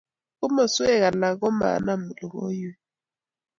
komosweek alak komanam logoiwek.